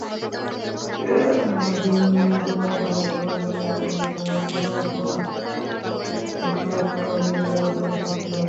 মার্কিন গণমাধ্যমের খবরে জানা গেছে, মিকাহ জনসন যুক্তরাষ্ট্রের আর্মি রিজার্ভের সদস্য ছিলেন।